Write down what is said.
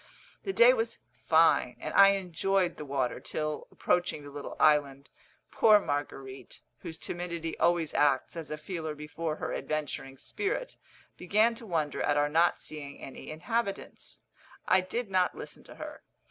The day was fine, and I enjoyed the water till, approaching the little island, poor Marguerite, whose timidity always acts as a feeler before her adventuring spirit, began to wonder at our not seeing any inhabitants. I did not listen to her.